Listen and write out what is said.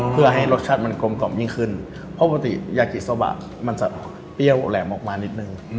เพื่อให้รสชาติมันกลมกล่อมยิ่งขึ้นเพราะปกติยากิโซบะมันจะเปรี้ยวแหลมออกมานิดนึง